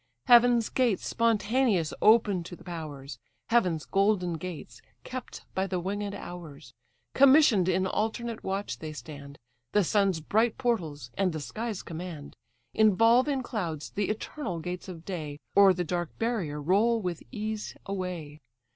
Heaven's gates spontaneous open to the powers, Heaven's golden gates, kept by the winged Hours; Commission'd in alternate watch they stand, The sun's bright portals and the skies command, Involve in clouds the eternal gates of day, Or the dark barrier roll with ease away.